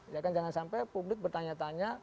ya kan jangan sampai publik bertanya tanya